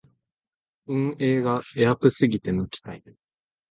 運営がエアプすぎて泣きたい